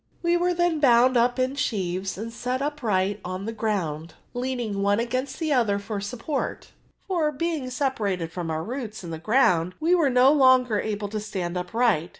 We were then bound up in Bheaves and set upi%lit on the ground, leaning one against the other for support ; for, being separated from our roots in the ground, we Were no longer able to stand upright.